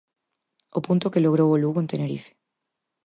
O punto que logrou o Lugo en Tenerife.